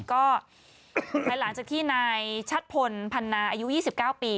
ก็ภายหลังจากที่นายชัดพลพันนาอายุ๒๙ปี